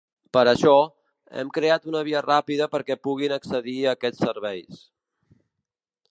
Per això, hem creat una via ràpida perquè puguin accedir a aquests serveis.